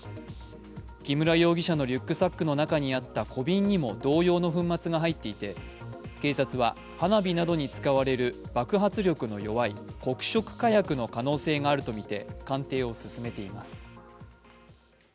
木村容疑者のリュックサックの中にあった小瓶にも同様の粉末が入っていて警察は花火などに使われる爆発力の弱い黒色火薬の可能性があるとみて、鑑定を進めています。